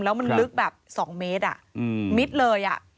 แล้วมันลึกแบบ๒เมตรมิดเลย